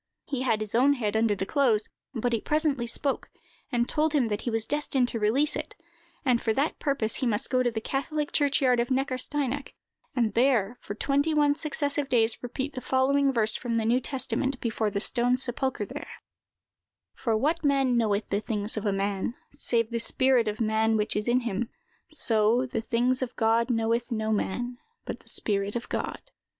He had his own head under the clothes; but it presently spoke, and told him that he was destined to release it, and for that purpose he must go to the catholic churchyard of Neckarsteinach, and there, for twenty one successive days, repeat the following verse from the New Testament, before the stone sepulchre there:— "For what man knoweth the things of a man, save the spirit of man which is in him? So, the things of God knoweth no man, but the spirit of God."